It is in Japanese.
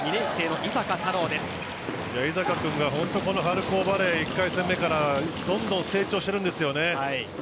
井坂君が本当にこの春高バレー１回戦目からどんどん成長しているんですよね。